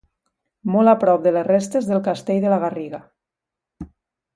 Molt a prop de les restes del castell de la Garriga.